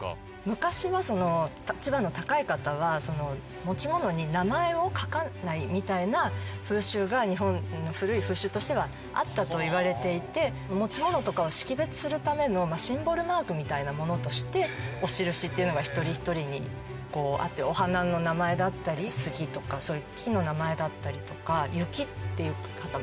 昔は立場の高い方は持ち物に名前を書かないみたいな風習が日本の古い風習としてはあったといわれていて持ち物とかを識別するためのシンボルマークみたいなものとしてお印っていうのが一人一人にあってお花の名前だったり杉とかそういう木の名前だったりとか雪っていう方もいらっしゃったりするんですけど。